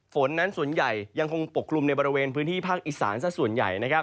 ฝนนั้นส่วนใหญ่ยังคงปกคลุมในบริเวณพื้นที่ภาคอีสานสักส่วนใหญ่นะครับ